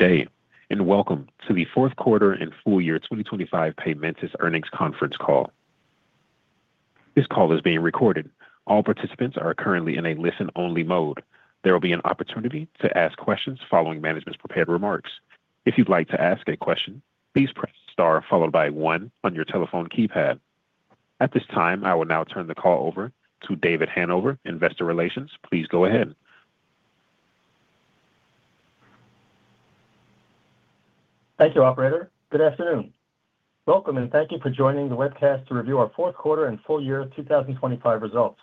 Good day, and welcome to the fourth quarter and full year 2025 Paymentus Earnings Conference Call. This call is being recorded. All participants are currently in a listen-only mode. There will be an opportunity to ask questions following management's prepared remarks. If you'd like to ask a question, please press star followed by one on your telephone keypad. At this time, I will now turn the call over to David Hanover, Investor Relations. Please go ahead. Thank you, operator. Good afternoon. Welcome, and thank you for joining the webcast to review our fourth quarter and full year 2025 results.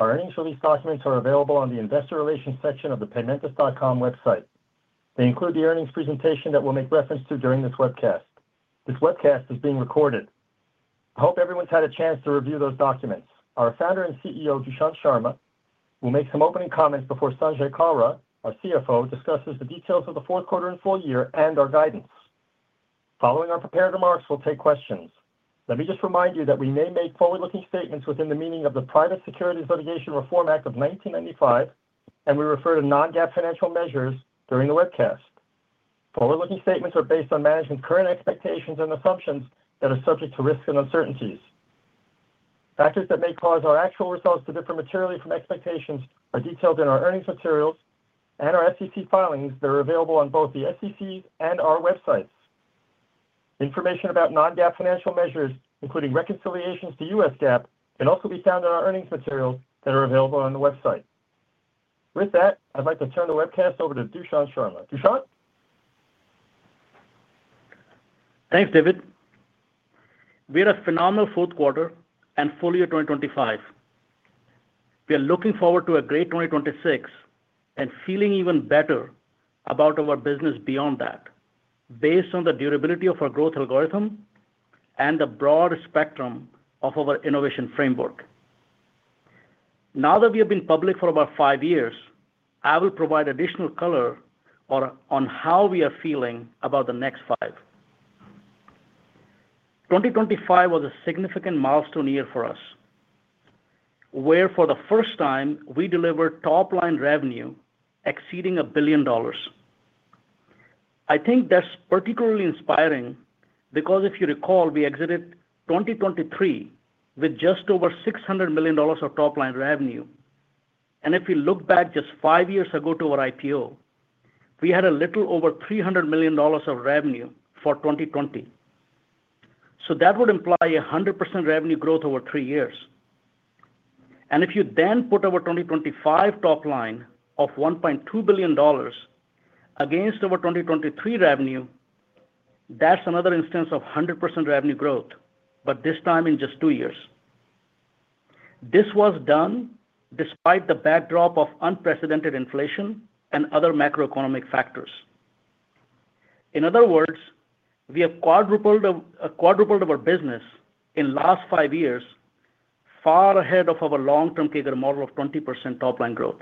Our earnings release documents are available on the investor relations section of the paymentus.com website. They include the earnings presentation that we'll make reference to during this webcast. This webcast is being recorded. I hope everyone's had a chance to review those documents. Our Founder and CEO, Dushyant Sharma, will make some opening comments before Sanjay Kalra, our CFO, discusses the details of the fourth quarter and full year, and our guidance. Following our prepared remarks, we'll take questions. Let me just remind you that we may make forward-looking statements within the meaning of the Private Securities Litigation Reform Act of 1995, and we refer to non-GAAP financial measures during the webcast. Forward-looking statements are based on management's current expectations and assumptions that are subject to risks and uncertainties. Factors that may cause our actual results to differ materially from expectations are detailed in our earnings materials and our SEC filings that are available on both the SEC and our websites. Information about non-GAAP financial measures, including reconciliations to U.S. GAAP, can also be found in our earnings materials that are available on the website. With that, I'd like to turn the webcast over to Dushyant Sharma. Dushyant? Thanks, David. We had a phenomenal fourth quarter and full year 2025. We are looking forward to a great 2026 and feeling even better about our business beyond that, based on the durability of our growth algorithm and the broad spectrum of our innovation framework. Now that we have been public for about five years, I will provide additional color on how we are feeling about the next five. 2025 was a significant milestone year for us, where for the first time, we delivered top-line revenue exceeding $1 billion. I think that's particularly inspiring because if you recall, we exited 2023 with just over $600 million of top-line revenue. If we look back just 5 years ago to our IPO, we had a little over $300 million of revenue for 2020. That would imply 100% revenue growth over three years. If you then put our 2025 top line of $1.2 billion against our 2023 revenue, that's another instance of 100% revenue growth, but this time in just two years. This was done despite the backdrop of unprecedented inflation and other macroeconomic factors. In other words, we have quadrupled our business in last five years, far ahead of our long-term CAGR model of 20% top line growth.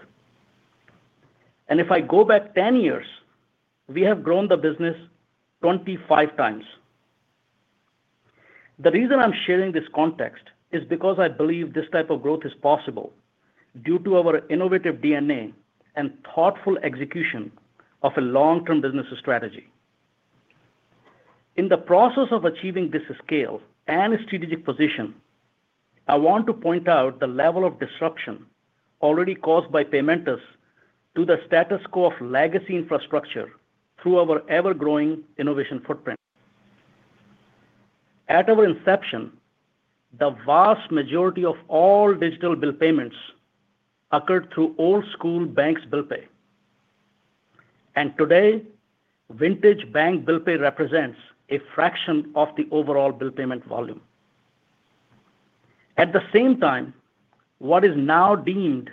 If I go back 10 years, we have grown the business 25x. The reason I'm sharing this context is because I believe this type of growth is possible due to our innovative DNA and thoughtful execution of a long-term business strategy. In the process of achieving this scale and strategic position, I want to point out the level of disruption already caused by Paymentus to the status quo of legacy infrastructure through our ever-growing innovation footprint. At our inception, the vast majority of all digital bill payments occurred through old-school banks bill pay, and today, vintage bank bill pay represents a fraction of the overall bill payment volume. At the same time, what is now deemed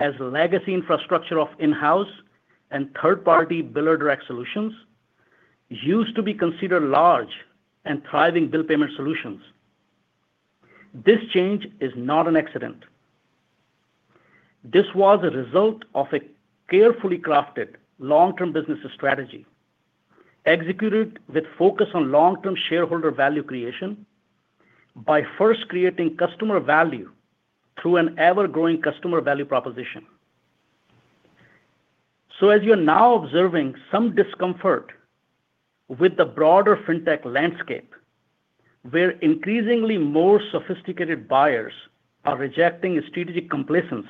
as legacy infrastructure of in-house and third-party biller direct solutions, used to be considered large and thriving bill payment solutions. This change is not an accident. This was a result of a carefully crafted long-term business strategy, executed with focus on long-term shareholder value creation by first creating customer value through an ever-growing customer value proposition. As you're now observing some discomfort with the broader fintech landscape, where increasingly more sophisticated buyers are rejecting strategic complacence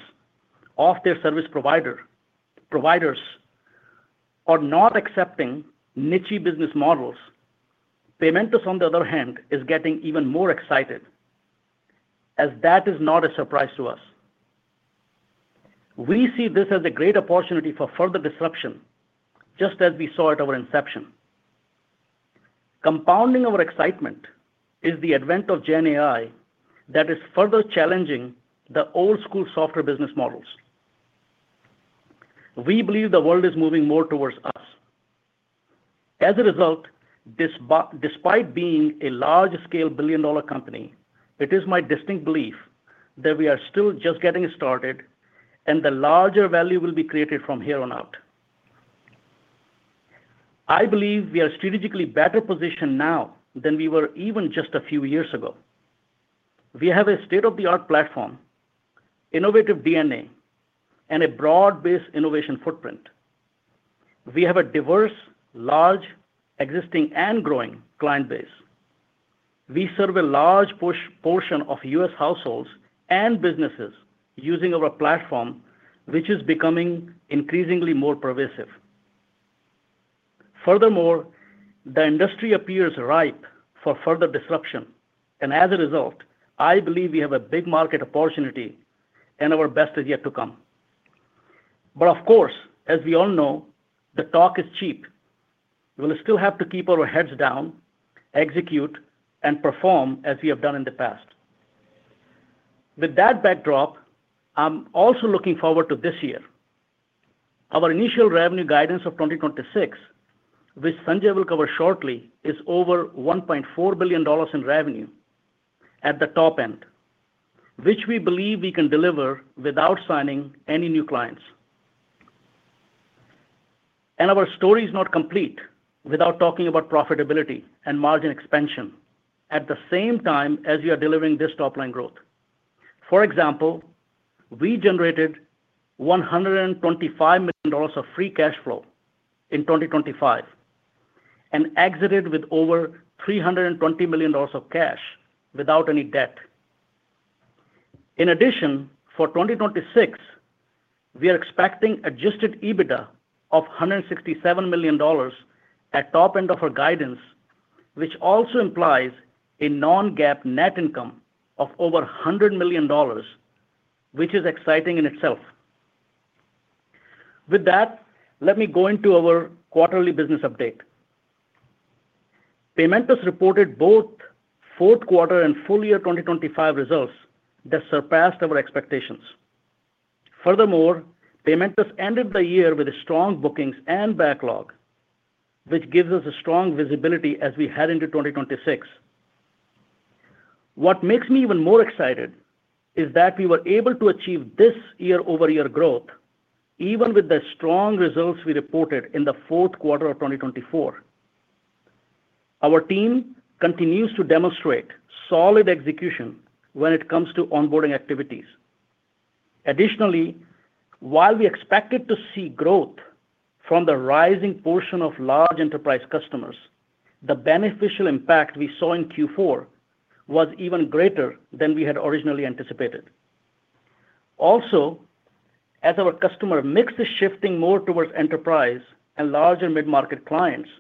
of their service provider, providers or not accepting niche business models, Paymentus, on the other hand, is getting even more excited as that is not a surprise to us. We see this as a great opportunity for further disruption, just as we saw at our inception. Compounding our excitement is the advent of GenAI that is further challenging the old-school software business models. We believe the world is moving more towards us. As a result, despite being a large-scale billion-dollar company, it is my distinct belief that we are still just getting started, and the larger value will be created from here on out. I believe we are strategically better positioned now than we were even just a few years ago. We have a state-of-the-art platform, innovative DNA, and a broad-based innovation footprint. We have a diverse, large, existing and growing client base. We serve a large portion of U.S. households and businesses using our platform, which is becoming increasingly more pervasive. Furthermore, the industry appears ripe for further disruption, and as a result, I believe we have a big market opportunity and our best is yet to come. Of course, as we all know, the talk is cheap. We will still have to keep our heads down, execute and perform as we have done in the past. With that backdrop, I'm also looking forward to this year. Our initial revenue guidance of 2026, which Sanjay will cover shortly, is over $1.4 billion in revenue at the top end, which we believe we can deliver without signing any new clients. Our story is not complete without talking about profitability and margin expansion at the same time as we are delivering this top line growth. For example, we generated $125 million of free cash flow in 2025 and exited with over $320 million of cash without any debt. In addition, for 2026, we are expecting adjusted EBITDA of $167 million at top end of our guidance, which also implies a non-GAAP net income of over $100 million, which is exciting in itself. With that, let me go into our quarterly business update. Paymentus reported both fourth quarter and full year 2025 results that surpassed our expectations. Furthermore, Paymentus ended the year with a strong bookings and backlog, which gives us a strong visibility as we head into 2026. What makes me even more excited is that we were able to achieve this year-over-year growth, even with the strong results we reported in the fourth quarter of 2024. Our team continues to demonstrate solid execution when it comes to onboarding activities. Additionally, while we expected to see growth from the rising portion of large enterprise customers, the beneficial impact we saw in Q4 was even greater than we had originally anticipated. As our customer mix is shifting more towards enterprise and large and mid-market clients,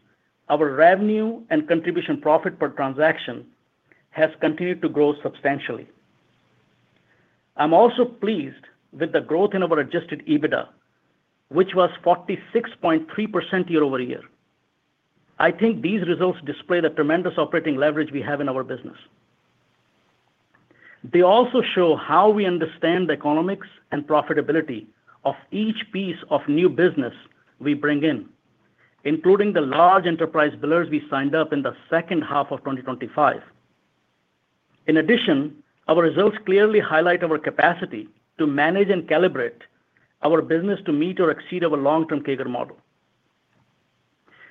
our revenue and contribution profit per transaction has continued to grow substantially. I'm also pleased with the growth in our Adjusted EBITDA, which was 46.3% year-over-year. I think these results display the tremendous operating leverage we have in our business. They also show how we understand the economics and profitability of each piece of new business we bring in, including the large enterprise billers we signed up in the second half of 2025. In addition, our results clearly highlight our capacity to manage and calibrate our business to meet or exceed our long-term CAGR model.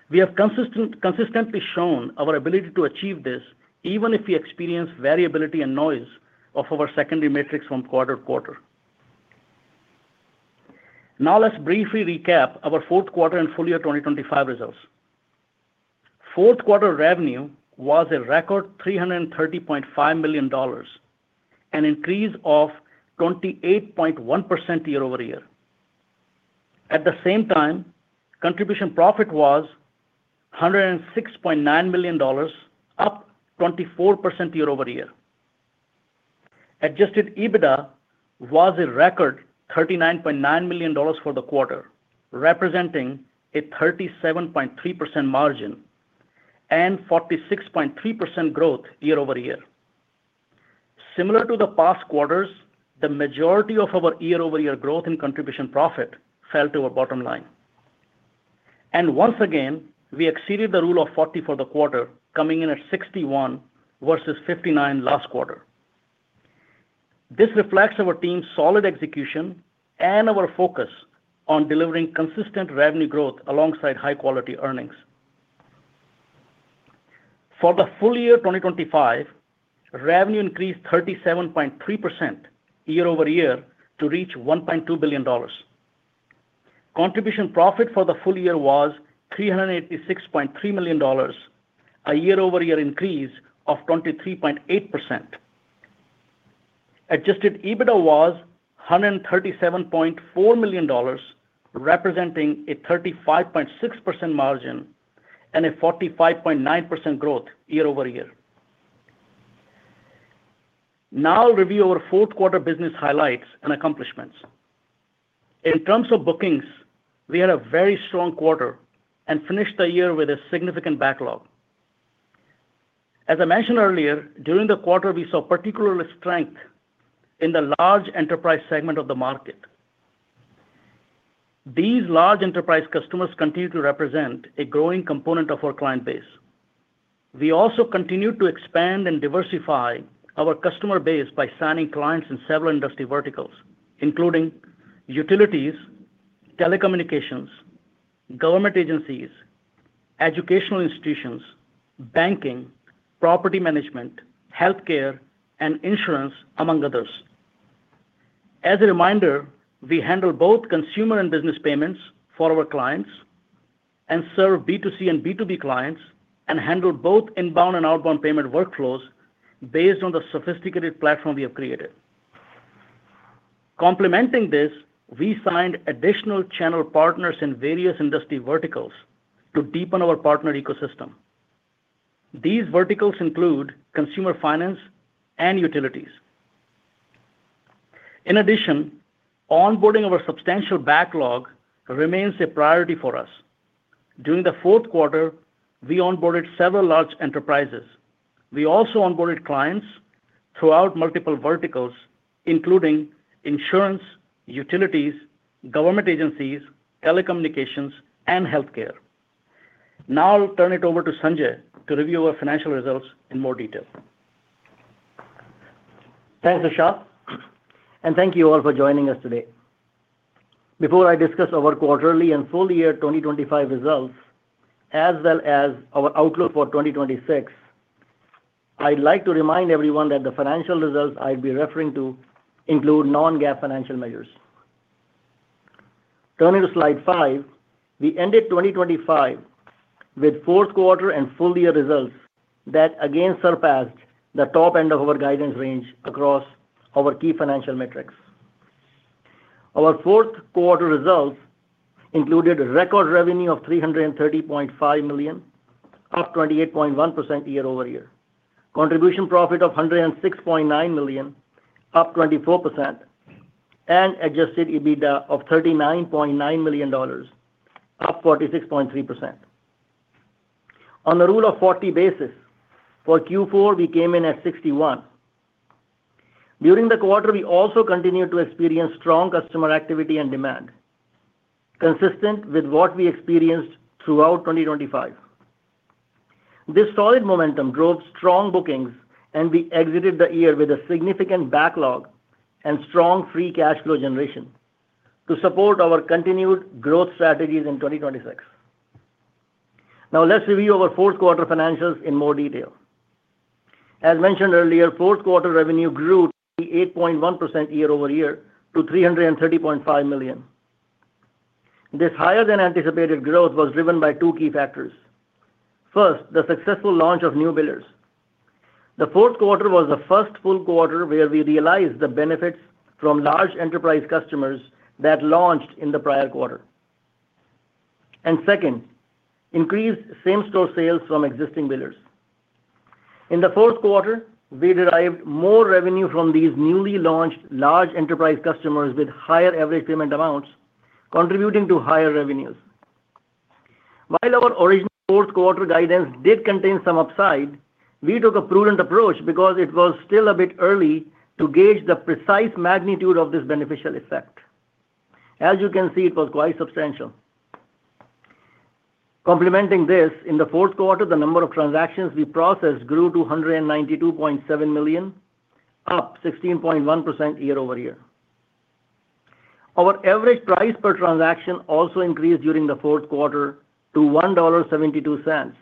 We have consistently shown our ability to achieve this, even if we experience variability and noise of our secondary metrics from quarter to quarter. Let's briefly recap our fourth quarter and full year 2025 results. Fourth quarter revenue was a record $330.5 million, an increase of 28.1% year-over-year. At the same time, contribution profit was $106.9 million, up 24% year-over-year. Adjusted EBITDA was a record $39.9 million for the quarter, representing a 37.3% margin and 46.3% growth year-over-year. Similar to the past quarters, the majority of our year-over-year growth in contribution profit fell to our bottom line. Once again, we exceeded the Rule of 40 for the quarter, coming in at 61 versus 59 last quarter. This reflects our team's solid execution and our focus on delivering consistent revenue growth alongside high-quality earnings. For the full year 2025, revenue increased 37.3% year-over-year to reach $1.2 billion. Contribution profit for the full year was $386.3 million, a year-over-year increase of 23.8%. Adjusted EBITDA was $137.4 million, representing a 35.6% margin and a 45.9% growth year-over-year. Review our fourth quarter business highlights and accomplishments. In terms of bookings, we had a very strong quarter and finished the year with a significant backlog. As I mentioned earlier, during the quarter, we saw particularly strength in the large enterprise segment of the market. These large enterprise customers continue to represent a growing component of our client base. We also continued to expand and diversify our customer base by signing clients in several industry verticals, including utilities, telecommunications, government agencies, educational institutions, banking, property management, healthcare, and insurance, among others. As a reminder, we handle both consumer and business payments for our clients and serve B2C and B2B clients, and handle both inbound and outbound payment workflows based on the sophisticated platform we have created. Complementing this, we signed additional channel partners in various industry verticals to deepen our partner ecosystem. These verticals include consumer finance and utilities. In addition, onboarding our substantial backlog remains a priority for us. During the fourth quarter, we onboarded several large enterprises. We also onboarded clients throughout multiple verticals, including insurance, utilities, government agencies, telecommunications, and healthcare. Now I'll turn it over to Sanjay to review our financial results in more detail. Thanks, Dushyant, and thank you all for joining us today. Before I discuss our quarterly and full year 2025 results, as well as our outlook for 2026, I'd like to remind everyone that the financial results I'll be referring to include non-GAAP financial measures. Turning to slide 5, we ended 2025 with fourth quarter and full year results that again surpassed the top end of our guidance range across our key financial metrics. Our fourth quarter results included record revenue of $330.5 million, up 28.1% year-over-year. Contribution profit of $106.9 million, up 24%, and adjusted EBITDA of $39.9 million, up 46.3%. On the Rule of 40 basis, for Q4, we came in at 61. During the quarter, we also continued to experience strong customer activity and demand, consistent with what we experienced throughout 2025. This solid momentum drove strong bookings, and we exited the year with a significant backlog and strong free cash flow generation to support our continued growth strategies in 2026. Now let's review our fourth quarter financials in more detail. As mentioned earlier, fourth quarter revenue grew 80.1% year-over-year to $330.5 million. This higher than anticipated growth was driven by two key factors. First, the successful launch of new billers. The fourth quarter was the first full quarter where we realized the benefits from large enterprise customers that launched in the prior quarter. Second, increased same-store sales from existing billers. In the fourth quarter, we derived more revenue from these newly launched large enterprise customers with higher average payment amounts, contributing to higher revenues. While our original fourth quarter guidance did contain some upside, we took a prudent approach because it was still a bit early to gauge the precise magnitude of this beneficial effect. As you can see, it was quite substantial. Complementing this, in the fourth quarter, the number of transactions we processed grew to 192.7 million, up 16.1% year-over-year. Our average price per transaction also increased during the fourth quarter to $1.72,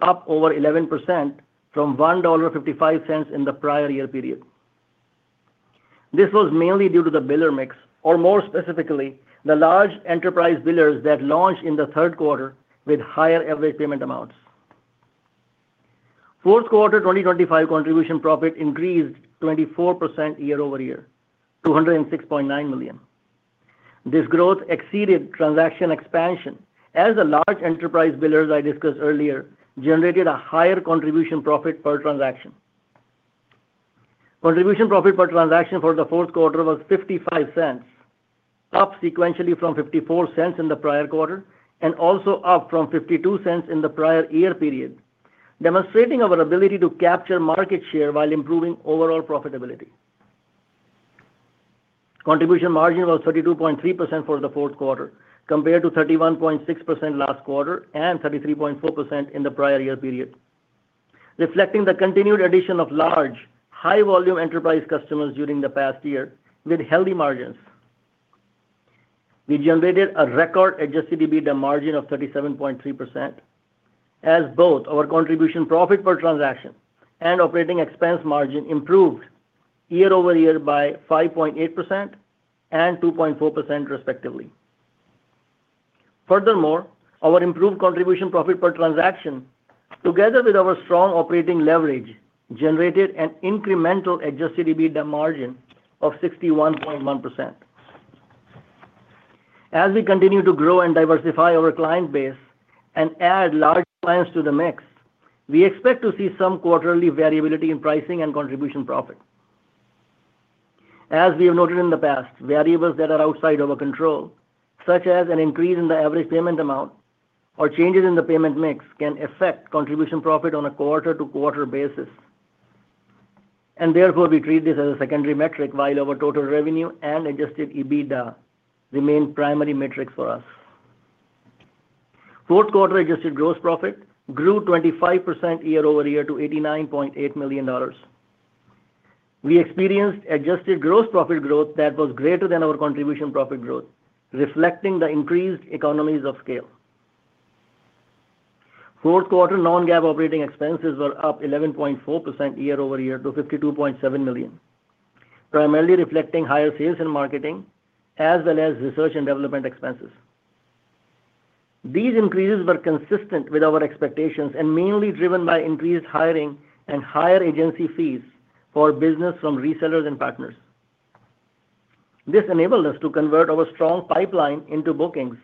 up over 11% from $1.55 in the prior year period. This was mainly due to the biller mix, or more specifically, the large enterprise billers that launched in the third quarter with higher average payment amounts. Fourth quarter 2025 contribution profit increased 24% year-over-year to $106.9 million. This growth exceeded transaction expansion as the large enterprise billers I discussed earlier generated a higher contribution profit per transaction. Contribution profit per transaction for the fourth quarter was $0.55, up sequentially from $0.54 in the prior quarter, and also up from $0.52 in the prior year period, demonstrating our ability to capture market share while improving overall profitability. Contribution margin was 32.3% for the fourth quarter, compared to 31.6% last quarter and 33.4% in the prior year period. Reflecting the continued addition of large, high-volume enterprise customers during the past year with healthy margins, we generated a record adjusted EBITDA margin of 37.3%, as both our contribution profit per transaction and operating expense margin improved year-over-year by 5.8% and 2.4%, respectively. Furthermore, our improved contribution profit per transaction, together with our strong operating leverage, generated an incremental adjusted EBITDA margin of 61.1%. As we continue to grow and diversify our client base and add large clients to the mix, we expect to see some quarterly variability in pricing and contribution profit. As we have noted in the past, variables that are outside of our control, such as an increase in the average payment amount or changes in the payment mix, can affect contribution profit on a quarter-to-quarter basis, and therefore we treat this as a secondary metric, while our total revenue and adjusted EBITDA remain primary metrics for us. Fourth quarter adjusted gross profit grew 25% year-over-year to $89.8 million. We experienced adjusted gross profit growth that was greater than our contribution profit growth, reflecting the increased economies of scale. Fourth quarter non-GAAP operating expenses were up 11.4% year-over-year to $52.7 million, primarily reflecting higher sales and marketing, as well as research and development expenses. These increases were consistent with our expectations and mainly driven by increased hiring and higher agency fees for business from resellers and partners. This enabled us to convert our strong pipeline into bookings,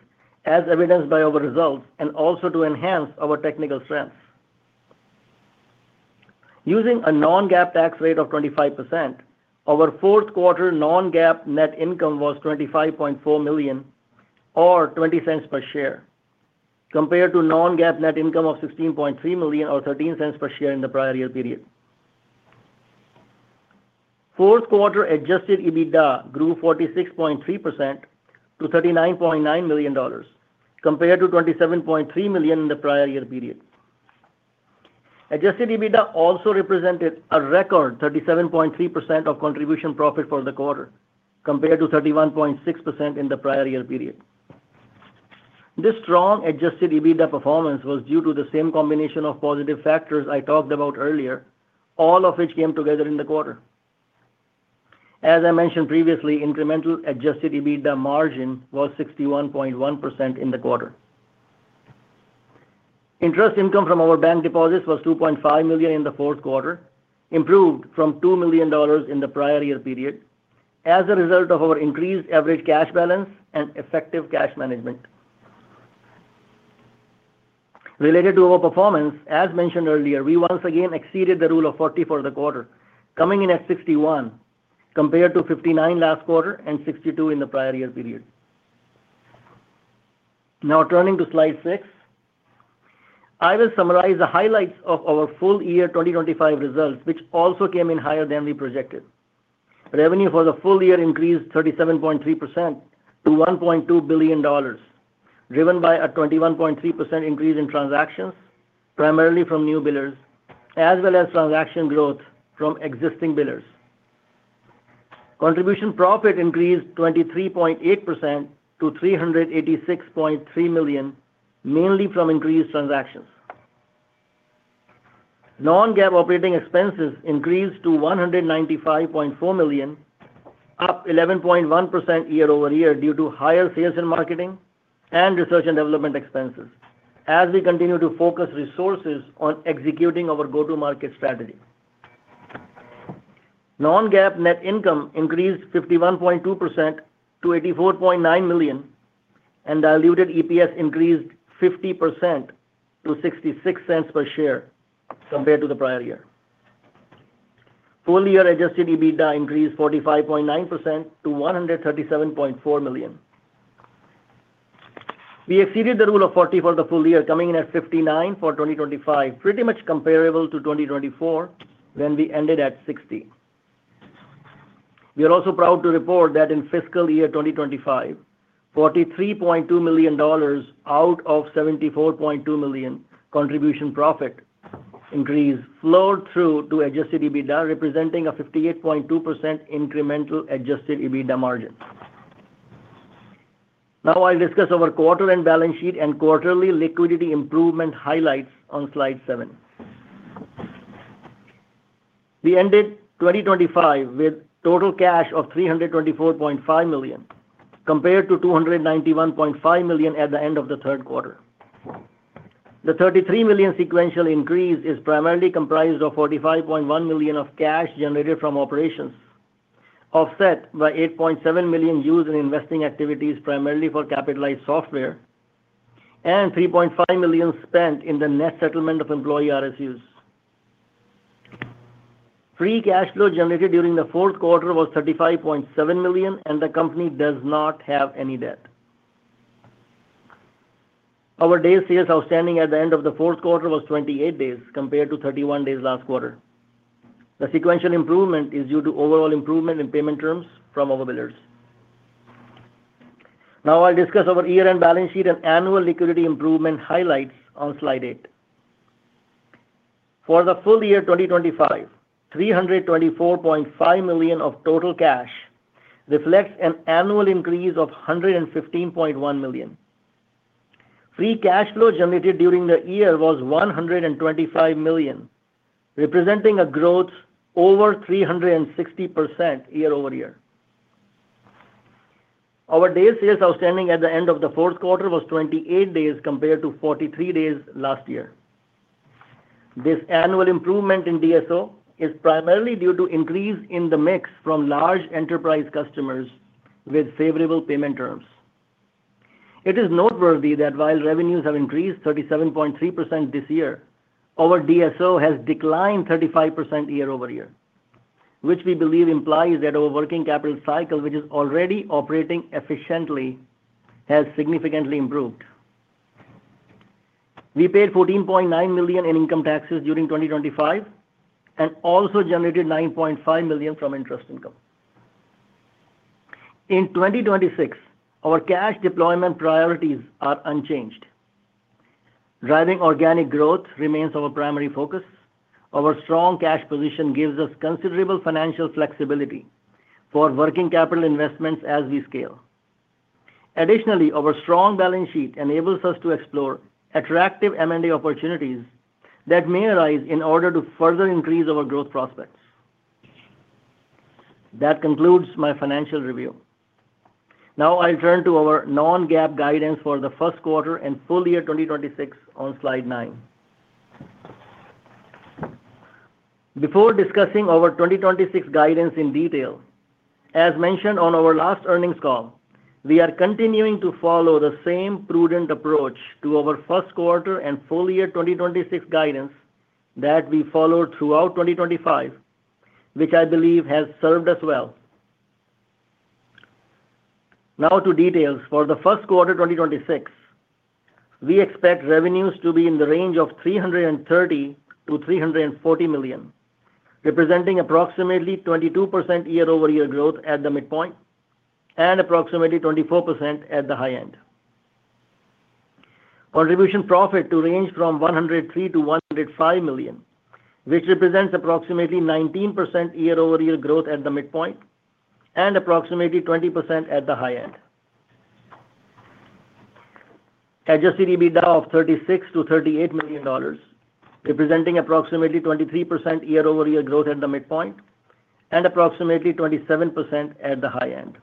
as evidenced by our results, and also to enhance our technical strength. Using a non-GAAP tax rate of 25%, our fourth quarter non-GAAP net income was $25.4 million, or $0.20 per share, compared to non-GAAP net income of $16.3 million or $0.13 per share in the prior year period. Fourth quarter adjusted EBITDA grew 46.3%-$39.9 million, compared to $27.3 million in the prior year period. Adjusted EBITDA also represented a record 37.3% of contribution profit for the quarter, compared to 31.6% in the prior year period. This strong adjusted EBITDA performance was due to the same combination of positive factors I talked about earlier, all of which came together in the quarter. As I mentioned previously, incremental adjusted EBITDA margin was 61.1% in the quarter. Interest income from our bank deposits was $2.5 million in the fourth quarter, improved from $2 million in the prior year period as a result of our increased average cash balance and effective cash management. Related to our performance, as mentioned earlier, we once again exceeded the Rule of 40 for the quarter, coming in at 61, compared to 59 last quarter and 62 in the prior year period. Now, turning to Slide 6. I will summarize the highlights of our full year 2025 results, which also came in higher than we projected. Revenue for the full year increased 37.3% to $1.2 billion, driven by a 21.3% increase in transactions, primarily from new billers, as well as transaction growth from existing billers. Contribution profit increased 23.8% to $386.3 million, mainly from increased transactions. Non-GAAP operating expenses increased to $195.4 million, up 11.1% year-over-year due to higher sales and marketing and research and development expenses, as we continue to focus resources on executing our go-to-market strategy. Non-GAAP net income increased 51.2% to $84.9 million, and diluted EPS increased 50% to $0.66 per share compared to the prior year. Full year adjusted EBITDA increased 45.9% to $137.4 million. We exceeded the Rule of 40 for the full year, coming in at 59 for 2025, pretty much comparable to 2024, when we ended at 60. We are also proud to report that in fiscal year 2025, $43.2 million out of $74.2 million contribution profit increase flowed through to adjusted EBITDA, representing a 58.2% incremental adjusted EBITDA margin. Now, I'll discuss our quarter and balance sheet and quarterly liquidity improvement highlights on Slide seven. We ended 2025 with total cash of $324.5 million, compared to $291.5 million at the end of the third quarter. The $33 million sequential increase is primarily comprised of $45.1 million of cash generated from operations, offset by $8.7 million used in investing activities primarily for capitalized software, and $3.5 million spent in the net settlement of employee RSUs. Free cash flow generated during the fourth quarter was $35.7 million, and the company does not have any debt. Our Days Sales Outstanding at the end of the fourth quarter was 28 days, compared to 31 days last quarter. The sequential improvement is due to overall improvement in payment terms from our billers. Now, I'll discuss our year-end balance sheet and annual liquidity improvement highlights on Slide 8. For the full year 2025, $324.5 million of total cash reflects an annual increase of $115.1 million. free cash flow generated during the year was $125 million, representing a growth over 360% year-over-year. Our Days Sales Outstanding at the end of the fourth quarter was 28 days, compared to 43 days last year. This annual improvement in DSO is primarily due to increase in the mix from large enterprise customers with favorable payment terms. It is noteworthy that while revenues have increased 37.3% this year, our DSO has declined 35% year-over-year, which we believe implies that our working capital cycle, which is already operating efficiently, has significantly improved. We paid $14.9 million in income taxes during 2025 and also generated $9.5 million from interest income. In 2026, our cash deployment priorities are unchanged. Driving organic growth remains our primary focus. Our strong cash position gives us considerable financial flexibility for working capital investments as we scale. Additionally, our strong balance sheet enables us to explore attractive M&A opportunities that may arise in order to further increase our growth prospects. That concludes my financial review. Now I'll turn to our non-GAAP guidance for the first quarter and full year 2026 on slide nine. Before discussing our 2026 guidance in detail, as mentioned on our last earnings call, we are continuing to follow the same prudent approach to our first quarter and full year 2026 guidance that we followed throughout 2025, which I believe has served us well. Now to details. For the first quarter 2026, we expect revenues to be in the range of $330 million-$340 million, representing approximately 22% year-over-year growth at the midpoint and approximately 24% at the high end. Contribution profit to range from $103 million-$105 million, which represents approximately 19% year-over-year growth at the midpoint and approximately 20% at the high end. Adjusted EBITDA of $36 million-$38 million, representing approximately 23% year-over-year growth at the midpoint and approximately 27% at the high end.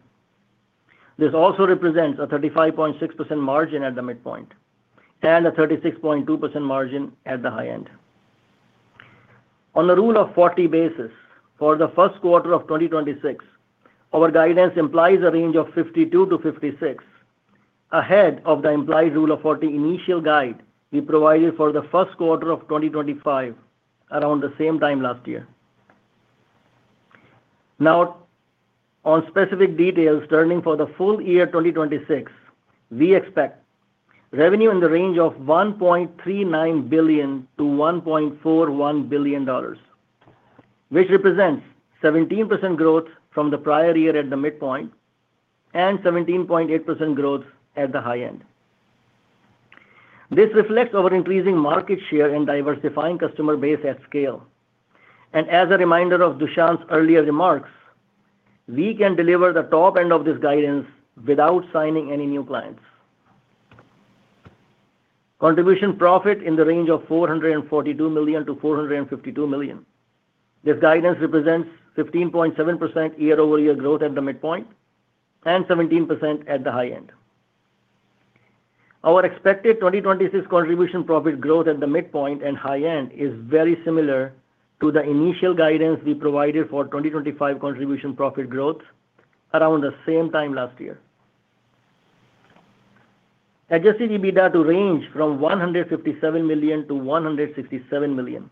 This also represents a 35.6% margin at the midpoint and a 36.2% margin at the high end. On the Rule of 40 basis, for the first quarter of 2026, our guidance implies a range of 52%-56%, ahead of the implied Rule of 40 initial guide we provided for the first quarter of 2025, around the same time last year. On specific details, turning for the full year 2026, we expect revenue in the range of $1.39 billion-$1.41 billion, which represents 17% growth from the prior year at the midpoint and 17.8% growth at the high end. This reflects our increasing market share and diversifying customer base at scale, and as a reminder of Dushyant's earlier remarks, we can deliver the top end of this guidance without signing any new clients. Contribution profit in the range of $442 million-$452 million. This guidance represents 15.7% year-over-year growth at the midpoint and 17% at the high end. Our expected 2026 contribution profit growth at the midpoint and high end is very similar to the initial guidance we provided for 2025 contribution profit growth around the same time last year. Adjusted EBITDA to range from $157 million-$167 million.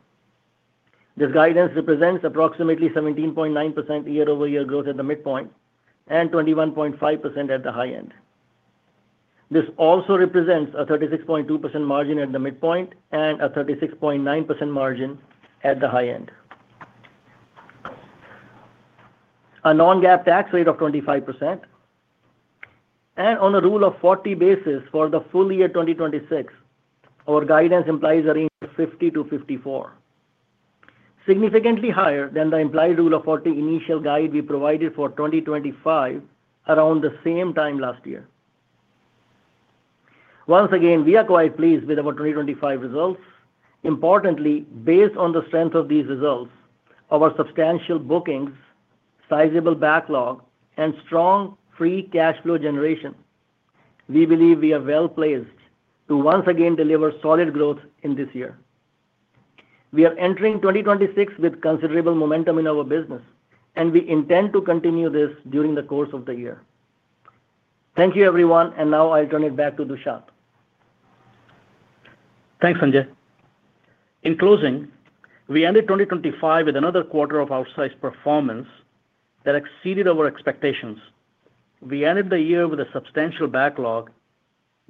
This guidance represents approximately 17.9% year-over-year growth at the midpoint and 21.5% at the high end. This also represents a 36.2% margin at the midpoint and a 36.9% margin at the high end. A non-GAAP tax rate of 25%, and on a Rule of 40 basis for the full year 2026, our guidance implies a range of 50-54, significantly higher than the implied Rule of 40 initial guide we provided for 2025 around the same time last year. Once again, we are quite pleased with our 2025 results. Importantly, based on the strength of these results, our substantial bookings, sizable backlog, and strong free cash flow generation, we believe we are well-placed to once again deliver solid growth in this year. We are entering 2026 with considerable momentum in our business, and we intend to continue this during the course of the year. Thank you, everyone, and now I'll turn it back to Dushyant. Thanks, Sanjay. In closing, we ended 2025 with another quarter of outsized performance that exceeded our expectations. We ended the year with a substantial backlog,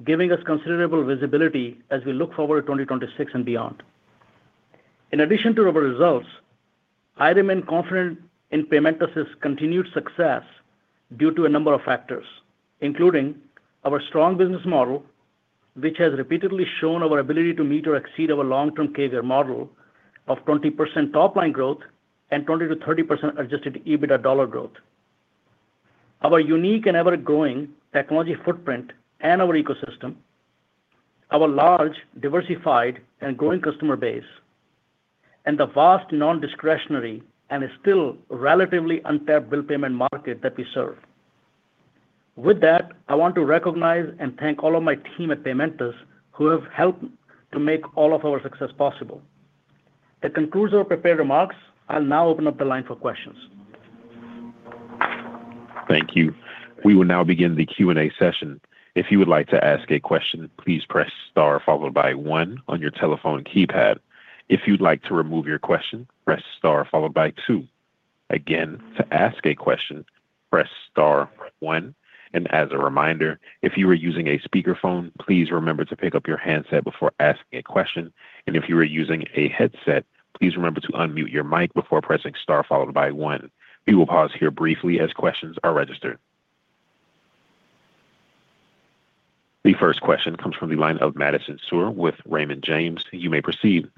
giving us considerable visibility as we look forward to 2026 and beyond. In addition to our results, I remain confident in Paymentus's continued success due to a number of factors, including our strong business model, which has repeatedly shown our ability to meet or exceed our long-term CAGR model of 20% top-line growth and 20%-30% adjusted EBITDA dollar growth. Our unique and ever-growing technology footprint and our ecosystem, our large, diversified, and growing customer base, and the vast non-discretionary and still relatively untapped bill payment market that we serve. With that, I want to recognize and thank all of my team at Paymentus who have helped to make all of our success possible. That concludes our prepared remarks. I'll now open up the line for questions. Thank you. We will now begin the Q&A session. If you would like to ask a question, please press star followed by one on your telephone keypad. If you'd like to remove your question, Press Star followed by two. Again, to ask a question, Press Star one, and as a reminder, if you are using a speakerphone, please remember to pick up your handset before asking a question. If you are using a headset, please remember to unmute your mic before pressing star followed by one. We will pause here briefly as questions are registered. The first question comes from the line of Madison Suhr with Raymond James. You may proceed.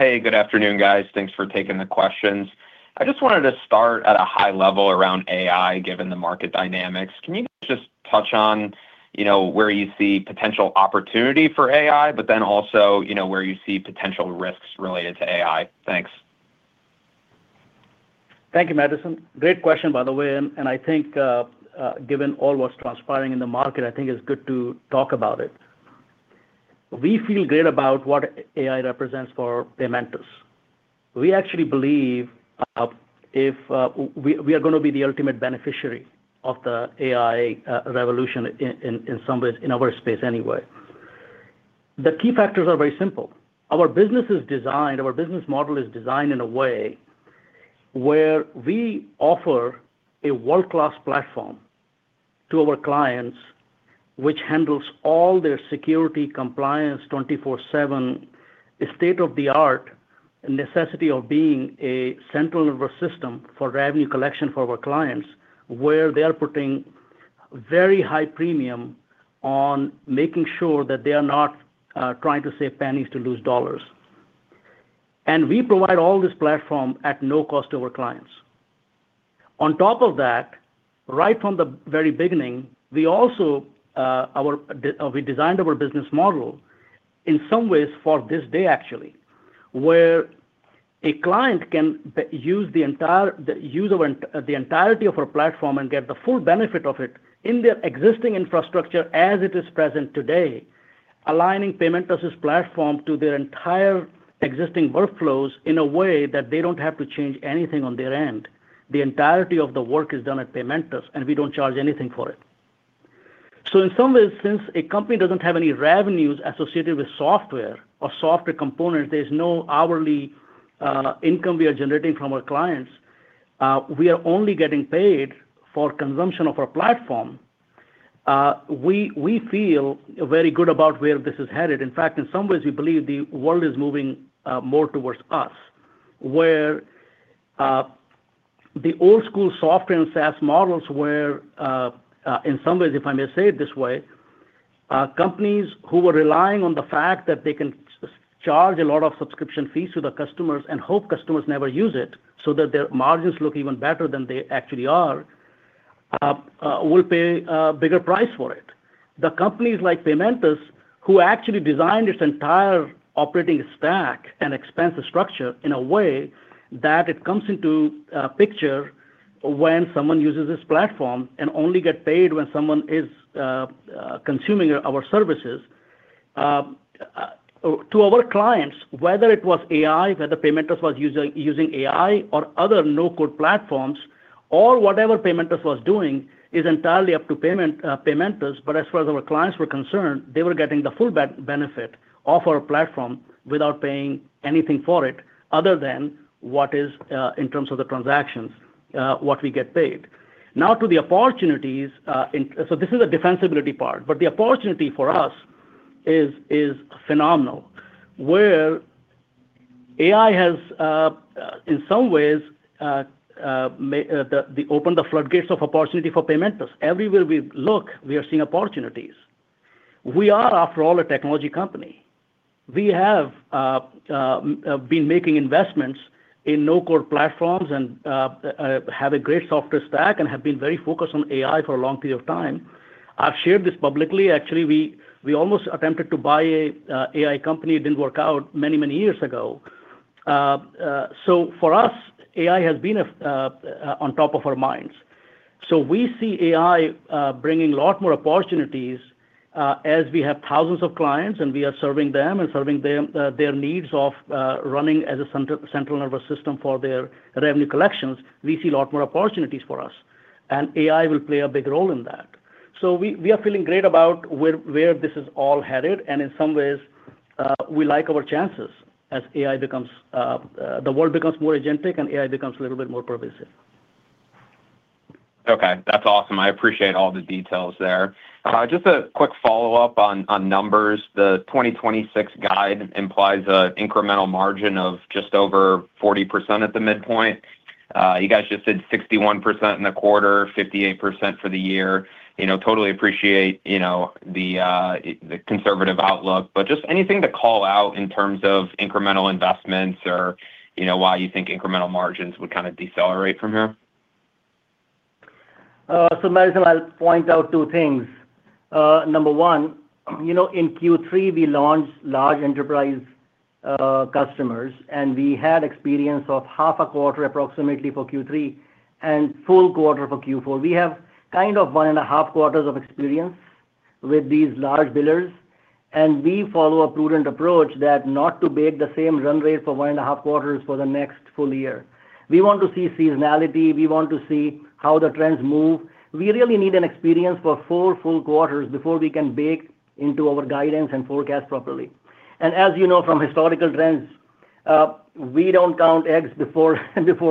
Hey, good afternoon, guys. Thanks for taking the questions. I just wanted to start at a high level around AI, given the market dynamics. Can you just touch on, you know, where you see potential opportunity for AI, but then also, you know, where you see potential risks related to AI? Thanks. Thank you, Madison. Great question, by the way, I think, given all what's transpiring in the market, I think it's good to talk about it. We feel great about what AI represents for Paymentus. We actually believe, if, we, we are going to be the ultimate beneficiary of the AI revolution in, in, in some ways, in our space anyway. The key factors are very simple. Our business is designed, our business model is designed in a way where we offer a world-class platform to our clients, which handles all their security compliance, twenty-four seven, a state-of-the-art necessity of being a central nervous system for revenue collection for our clients, where they are putting very high premium on making sure that they are not trying to save pennies to lose dollars. We provide all this platform at no cost to our clients. On top of that, right from the very beginning, we also designed our business model in some ways for this day actually, where a client can use the entirety of our platform and get the full benefit of it in their existing infrastructure as it is present today, aligning Paymentus's platform to their entire existing workflows in a way that they don't have to change anything on their end. The entirety of the work is done at Paymentus, and we don't charge anything for it. In some ways, since a company doesn't have any revenues associated with software or software components, there's no hourly income we are generating from our clients. We are only getting paid for consumption of our platform. We, we feel very good about where this is headed. In fact, in some ways, we believe the world is moving more towards us, where the old school software and SaaS models were in some ways, if I may say it this way, companies who were relying on the fact that they can charge a lot of subscription fees to the customers and hope customers never use it so that their margins look even better than they actually are, will pay a bigger price for it. The companies like Paymentus, who actually designed this entire operating stack and expensive structure in a way that it comes into picture when someone uses this platform and only get paid when someone is consuming our, our services. To our clients, whether it was AI, whether Paymentus was using, using AI or other no-code platforms, or whatever Paymentus was doing, is entirely up to Paymentus. As far as our clients were concerned, they were getting the full benefit of our platform without paying anything for it other than what is in terms of the transactions, what we get paid. To the opportunities, this is a defensibility part, but the opportunity for us is phenomenal, where AI has in some ways the opened the floodgates of opportunity for Paymentus. Everywhere we look, we are seeing opportunities. We are, after all, a technology company. We have been making investments in no-code platforms and have a great software stack and have been very focused on AI for a long period of time. I've shared this publicly. Actually, we, we almost attempted to buy a AI company. It didn't work out many, many years ago. For us, AI has been on top of our minds. We see AI bringing a lot more opportunities as we have thousands of clients, and we are serving them and serving them their needs of running as a center- central nervous system for their revenue collections. We see a lot more opportunities for us, and AI will play a big role in that. We, we are feeling great about where, where this is all headed, and in some ways, we like our chances as AI becomes, the world becomes more agentic and AI becomes a little bit more pervasive. Okay, that's awesome. I appreciate all the details there. Just a quick follow-up on, on numbers. The 2026 guide implies an incremental margin of just over 40% at the midpoint. You guys just said 61% in the quarter, 58% for the year. You know, totally appreciate, you know, the conservative outlook, but just anything to call out in terms of incremental investments or, you know, why you think incremental margins would kind of decelerate from here? Madison, I'll point out two things. Number one, you know, in Q3, we launched large enterprise customers, and we had experience of half a quarter, approximately for Q3 and full quarter for Q4. We have kind of one and a half quarters of experience with these large billers, and we follow a prudent approach that not to bake the same run rate for one and a half quarters for the next full year. We want to see seasonality. We want to see how the trends move. We really need an experience for four full quarters before we can bake into our guidance and forecast properly. As you know from historical trends, we don't count eggs before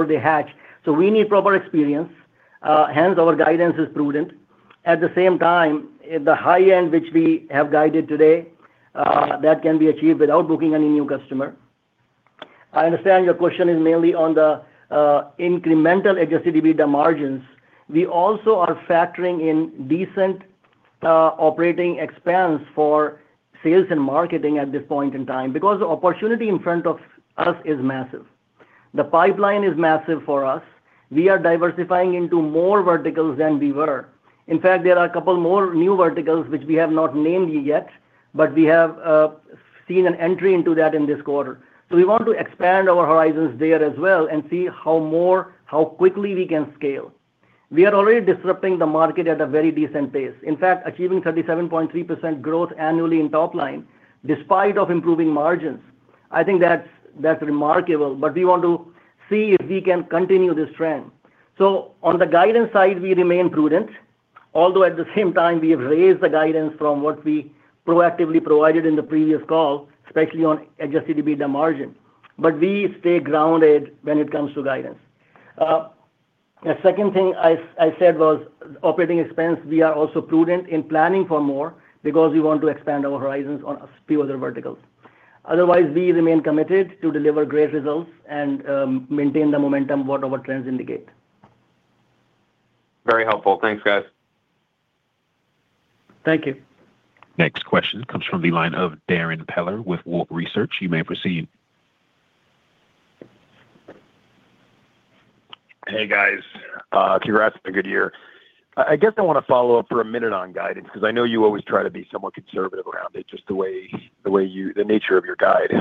they hatch, we need proper experience. Hence, our guidance is prudent. At the same time, the high end, which we have guided today, that can be achieved without booking any new customer. I understand your question is mainly on the incremental adjusted EBITDA margins. We also are factoring in decent operating expense for sales and marketing at this point in time, because the opportunity in front of us is massive. The pipeline is massive for us. We are diversifying into more verticals than we were. In fact, there are a couple more new verticals, which we have not named yet, but we have seen an entry into that in this quarter. We want to expand our horizons there as well and see how quickly we can scale. We are already disrupting the market at a very decent pace. In fact, achieving 37.3% growth annually in top line, despite of improving margins, I think that's, that's remarkable, but we want to see if we can continue this trend. On the guidance side, we remain prudent, although at the same time, we have raised the guidance from what we proactively provided in the previous call, especially on adjusted EBITDA margin. We stay grounded when it comes to guidance. The second thing I, I said was operating expense. We are also prudent in planning for more because we want to expand our horizons on a few other verticals. We remain committed to deliver great results and maintain the momentum, what our trends indicate. Very helpful. Thanks, guys. Thank you. Next question comes from the line of Darrin Peller with Wolfe Research. You may proceed. Hey, guys. Congrats on a good year. I guess I want to follow up for a minute on guidance, because I know you always try to be somewhat conservative around it, just the way, the nature of your guide.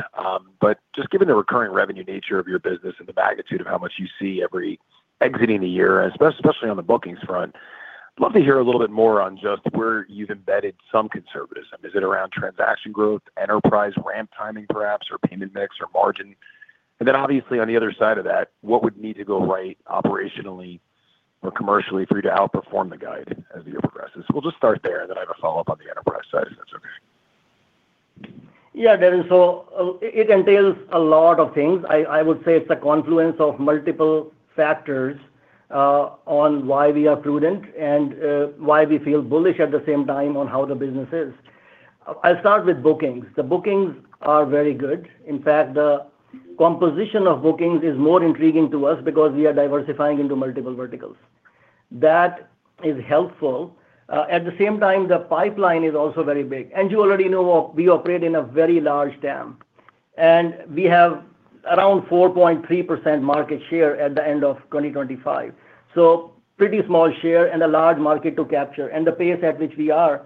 But just given the recurring revenue nature of your business and the magnitude of how much you see every exiting the year, especially on the bookings front, I'd love to hear a little bit more on just where you've embedded some conservatism. Is it around transaction growth, enterprise ramp timing, perhaps, or payment mix or margin? Then obviously, on the other side of that, what would need to go right operationally or commercially for you to outperform the guide as the year progresses? We'll just start there, then I have a follow-up on the enterprise side, if that's okay. Yeah, Darrin. It entails a lot of things. I, I would say it's a confluence of multiple factors on why we are prudent and why we feel bullish at the same time on how the business is. I'll start with bookings. The bookings are very good. In fact, the composition of bookings is more intriguing to us because we are diversifying into multiple verticals. That is helpful. At the same time, the pipeline is also very big, and you already know we operate in a very large TAM, and we have around 4.3% market share at the end of 2025. Pretty small share and a large market to capture. The pace at which we are,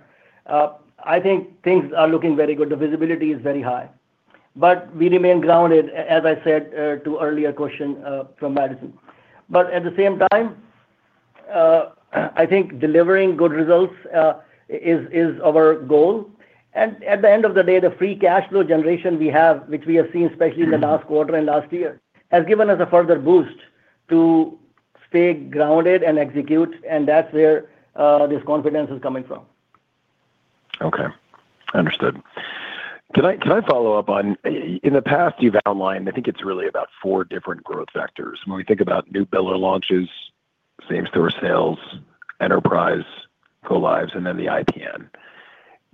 I think things are looking very good. The visibility is very high, but we remain grounded, as I said, to earlier question from Madison. At the same time, I think delivering good results is our goal. At the end of the day, the free cash flow generation we have, which we have seen, especially in the last quarter and last year, has given us a further boost to stay grounded and execute, and that's where this confidence is coming from. Okay. Understood. Can I, can I follow up on? In the past, you've outlined, I think it's really about four different growth vectors. When we think about new biller launches, same-store sales, enterprise go lives, and then the IPN,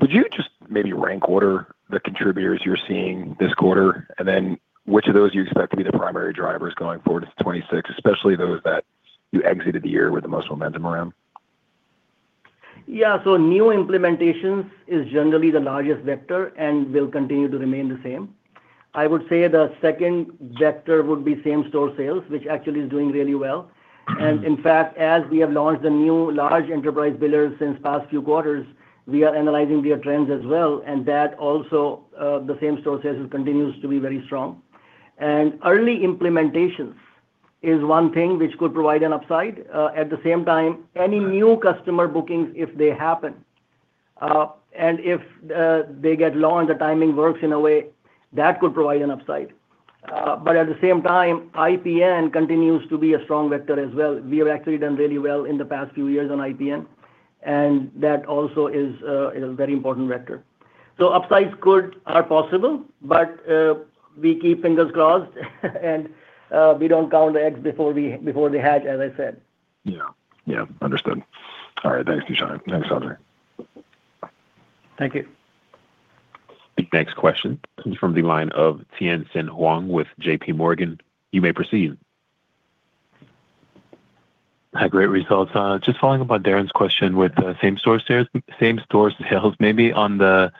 would you just maybe rank order the contributors you're seeing this quarter, and then which of those do you expect to be the primary drivers going forward to 2026, especially those that you exited the year with the most momentum around? Yeah, new implementations is generally the largest vector and will continue to remain the same. I would say the second vector would be same-store sales, which actually is doing really well. In fact, as we have launched the new large enterprise billers since past few quarters, we are analyzing their trends as well, and that also, the same-store sales continues to be very strong. Early implementations is one thing which could provide an upside. At the same time, any new customer bookings, if they happen, and if they get launched, the timing works in a way that could provide an upside. At the same time, IPN continues to be a strong vector as well. We have actually done really well in the past few years on IPN, and that also is a very important vector. Upsides could are possible, but, we keep fingers crossed, and, we don't count the eggs before they hatch, as I said. Yeah. Yeah. Understood. All right. Thanks, Nishant. Thanks, Audrey. Thank you. The next question comes from the line of Tien-Tsin Huang with J.P. Morgan. You may proceed. Hi, great results. Just following up on Darrin's question with same store sales, same-store sales, maybe on the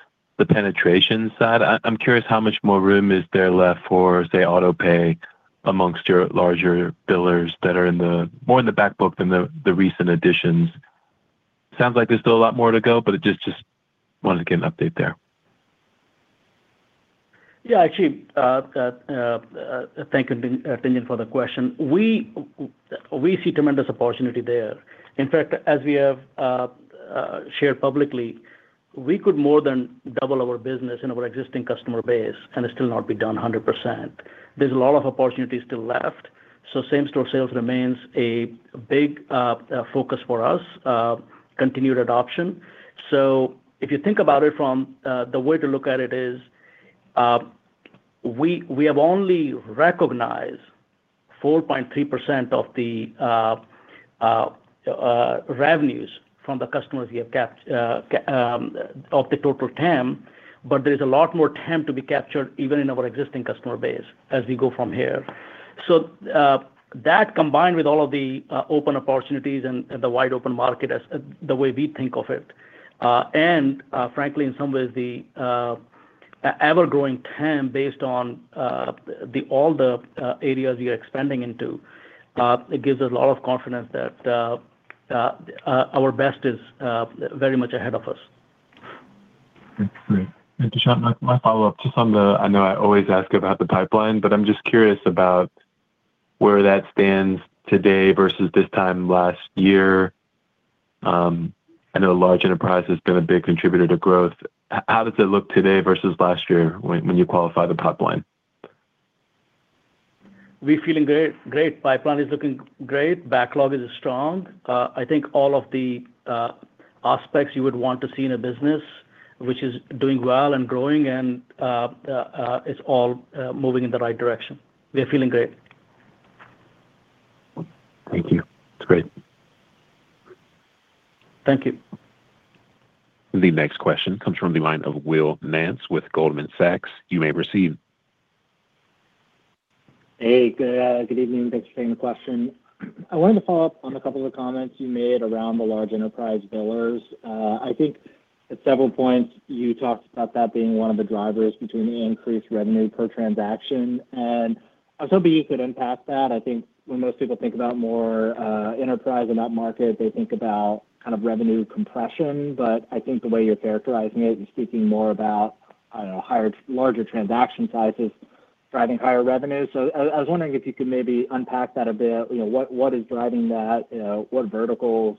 penetration side, I, I'm curious how much more room is there left for, say, auto pay amongst your larger billers that are more in the back book than the recent additions? Sounds like there's still a lot more to go, but I just, just wanted to get an update there. Yeah, actually, thank you, Tien, for the question. We, we see tremendous opportunity there. In fact, as we have shared publicly, we could more than double our business in our existing customer base and still not be done 100%. There's a lot of opportunity still left, so same-store sales remains a big focus for us, continued adoption. So if you think about it from the way to look at it is, we, we have only recognized- 4.3% of the revenues from the customers we have kept of the total TAM, but there is a lot more TAM to be captured even in our existing customer base as we go from here. That combined with all of the open opportunities and, and the wide open market as, the way we think of it, and, frankly, in some ways, the e-ever-growing TAM, based on, the all the areas we are expanding into, it gives us a lot of confidence that our best is very much ahead of us. Great. Nishant, my, my follow-up, just on the, I know I always ask about the pipeline, but I'm just curious about where that stands today versus this time last year. I know large enterprise has been a big contributor to growth. How does it look today versus last year when you qualify the pipeline? We're feeling great. Great. Pipeline is looking great. Backlog is strong. I think all of the aspects you would want to see in a business which is doing well and growing and it's all moving in the right direction. We are feeling great. Thank you. That's great. Thank you. The next question comes from the line of Will Nance with Goldman Sachs. You may proceed. Hey, good, good evening. Thanks for taking the question. I wanted to follow up on a couple of comments you made around the large enterprise billers. I think at several points you talked about that being one of the drivers between the increased revenue per transaction. I was hoping you could unpack that. I think when most people think about more, enterprise in that market, they think about kind of revenue compression, but I think the way you're characterizing it and speaking more about, I don't know, higher, larger transaction sizes driving higher revenues. I, I was wondering if you could maybe unpack that a bit. You know, what, what is driving that? You know, what verticals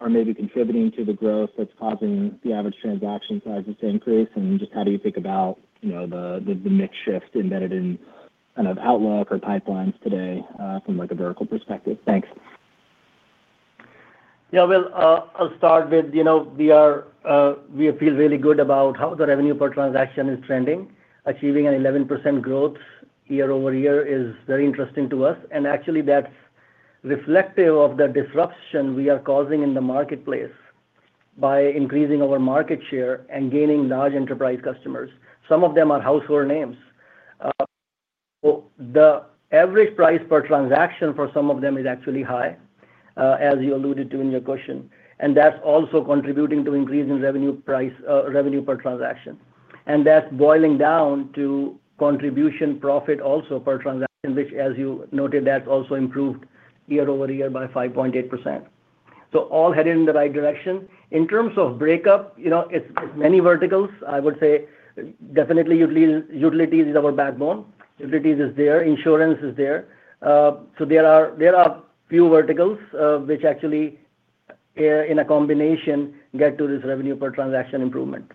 are maybe contributing to the growth that's causing the average transaction sizes to increase? Just how do you think about, you know, the, the, the mix shift embedded in kind of outlook or pipelines today, from, like, a vertical perspective? Thanks. Yeah, Will, I'll start with, you know, we are, we feel really good about how the revenue per transaction is trending. Achieving an 11% growth year-over-year is very interesting to us. Actually, that's reflective of the disruption we are causing in the marketplace by increasing our market share and gaining large enterprise customers. Some of them are household names. The average price per transaction for some of them is actually high, as you alluded to in your question. That's also contributing to increase in revenue price, revenue per transaction. That's boiling down to contribution profit also per transaction, which, as you noted, that's also improved year-over-year by 5.8%. All headed in the right direction. In terms of breakup, you know, it's, it's many verticals. I would say definitely util-utilities is our backbone. Utilities is there, insurance is there. There are, there are few verticals, which actually, in a combination, get to this revenue per transaction improvement.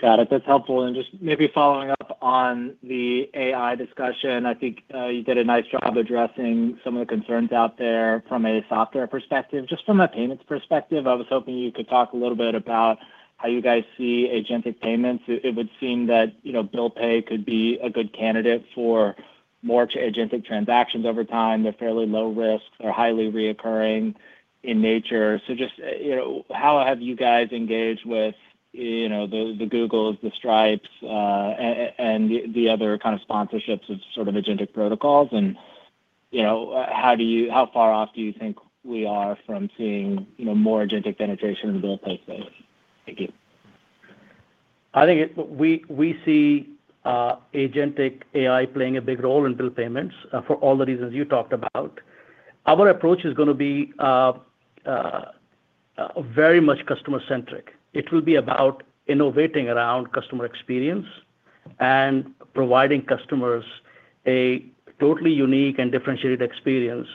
Got it. That's helpful. Just maybe following up on the AI discussion, I think, you did a nice job addressing some of the concerns out there from a software perspective. Just from a payments perspective, I was hoping you could talk a little bit about how you guys see agentic payments. It would seem that, you know, bill pay could be a good candidate for more to agentic transactions over time. They're fairly low risk. They're highly reoccurring in nature. Just, you know, how have you guys engaged with, you know, the, the Google, the Stripe, and the, the other kind of sponsorships of sort of agentic protocols? You know, how do you, how far off do you think we are from seeing, you know, more agentic penetration in the bill pay space? Thank you. I think it... We, we see Agentic AI playing a big role in bill payments for all the reasons you talked about. Our approach is gonna be very much customer-centric. It will be about innovating around customer experience and providing customers a totally unique and differentiated experience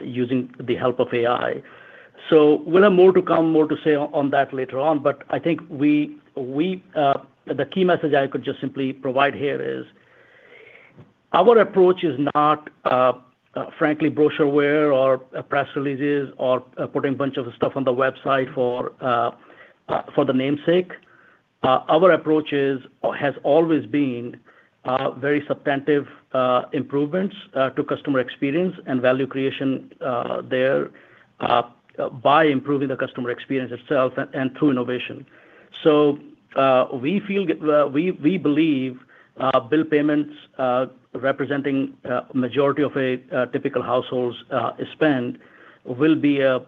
using the help of AI. We'll have more to come, more to say on, on that later on, but I think we, we the key message I could just simply provide here is: our approach is not frankly Brochureware or press releases or putting a bunch of stuff on the website for the namesake. Our approach is, or has always been, very substantive improvements to customer experience and value creation there by improving the customer experience itself and through innovation. We feel, we believe, bill payments, representing majority of a typical household's spend, will be a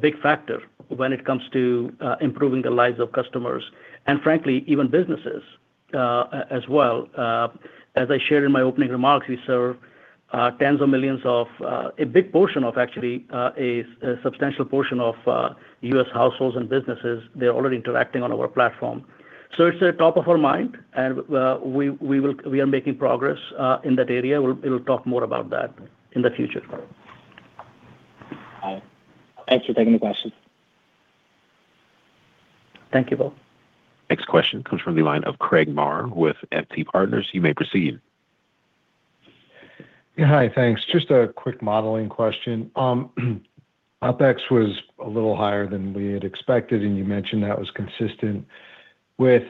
big factor when it comes to improving the lives of customers and frankly, even businesses as well. As I shared in my opening remarks, we serve tens of millions of a big portion of actually a substantial portion of U.S. households and businesses, they're already interacting on our platform. It's top of our mind and we are making progress in that area. We'll, we'll talk more about that in the future. Got it. Thanks for taking the question. Thank you, Will. Next question comes from the line of Craig Maurer with FT Partners. You may proceed. Yeah. Hi, thanks. Just a quick modeling question. OpEx was a little higher than we had expected, and you mentioned that was consistent with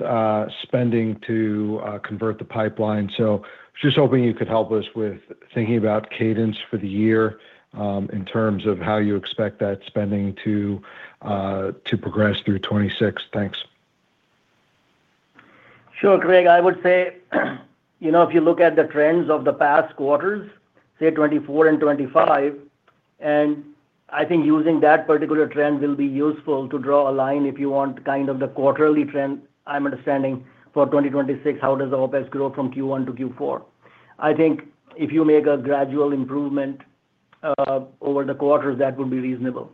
spending to convert the pipeline. Just hoping you could help us with thinking about cadence for the year, in terms of how you expect that spending to progress through 2026. Thanks. Sure, Graig, I would say, you know, if you look at the trends of the past quarters, say 24 and 25. I think using that particular trend will be useful to draw a line if you want kind of the quarterly trend. I'm understanding for 2026, how does the Opex grow from Q1 to Q4? I think if you make a gradual improvement, over the quarters, that would be reasonable.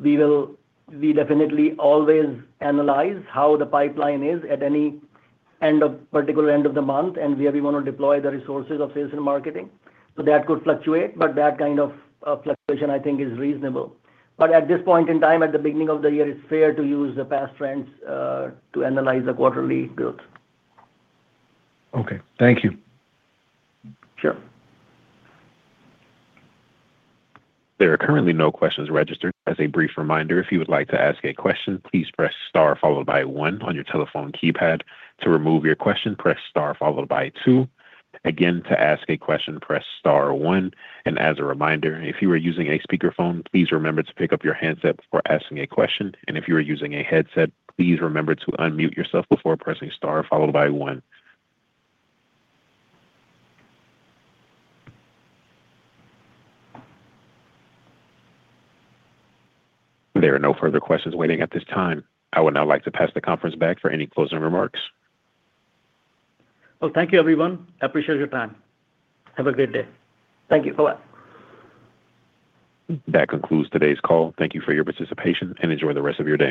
We definitely always analyze how the pipeline is at any end of, particular end of the month, and where we want to deploy the resources of sales and marketing. That could fluctuate, but that kind of, of fluctuation, I think is reasonable. At this point in time, at the beginning of the year, it's fair to use the past trends, to analyze the quarterly growth. Okay. Thank you. Sure. There are currently no questions registered. As a brief reminder, if you would like to ask a question, please press star followed by one on your telephone keypad. To remove your question, press star followed by two. Again, to ask a question, Press Star one, and as a reminder, if you are using a speakerphone, please remember to pick up your handset before asking a question. If you are using a headset, please remember to unmute yourself before pressing star, followed by one. There are no further questions waiting at this time. I would now like to pass the conference back for any closing remarks. Well, thank you, everyone. I appreciate your time. Have a great day. Thank you. Bye-bye. That concludes today's call. Thank you for your participation, and enjoy the rest of your day.